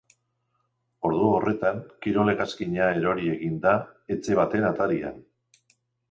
Ordu horretan, kirol-hegazkina erori egin da etxe baten atarian.